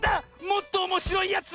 もっとおもしろいやつ！